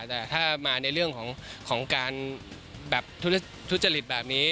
แต่ถ้ามาในเรื่องของการแบบทุจริตแบบนี้